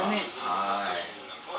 はい。